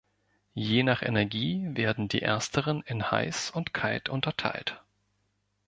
Je nach Energie werden die ersteren in „heiß“ und „kalt“ unterteilt.